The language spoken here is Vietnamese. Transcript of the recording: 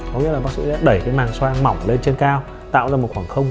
có nghĩa là bác sĩ sẽ đẩy cái màng xoang mỏng lên trên cao tạo ra một khoảng không